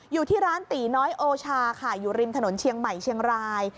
อยู่ที่ร้านตีน้อยโอชาค่ะอยู่ริมถนนเชียงใหม่เชียงราย